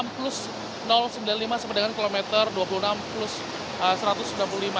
dua puluh enam plus sembilan puluh lima sepedang kilometer dua puluh enam plus satu ratus sembilan puluh lima